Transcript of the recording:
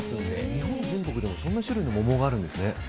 日本全国でもそんな種類の桃があるんですね。